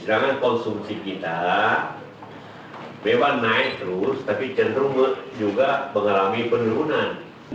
sedangkan konsumsi kita beban naik terus tapi cenderung juga mengalami penurunan